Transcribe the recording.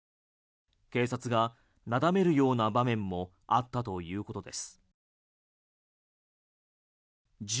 警察がなだめるような場面もあったということです。